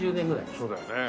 そうだよね。